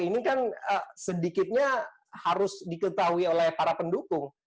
ini kan sedikitnya harus diketahui oleh para pendukung